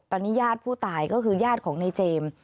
ตอนนี้ญาติผู้ตายก็คือญาติของนายเจมส์